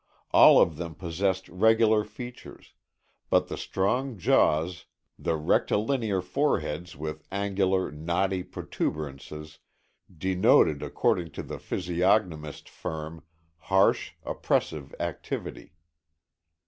All of them possessed regular features, but the strong jaws, the rectilinear foreheads with angular, knotty protuberances denoted according to the physiognomist firm, harsh, oppressive activity.